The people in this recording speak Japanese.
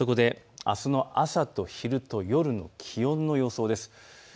あすの朝と昼と夜の気温の予想です。